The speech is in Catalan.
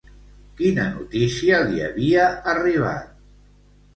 Quina notícia li havia arribat?